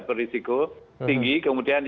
berisiko tinggi kemudian